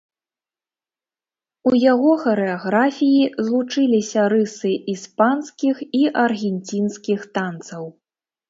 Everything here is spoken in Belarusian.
У яго харэаграфіі злучыліся рысы іспанскіх і аргенцінскіх танцаў.